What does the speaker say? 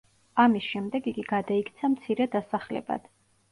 ამის შემდეგ იგი გადაიქცა მცირე დასახლებად.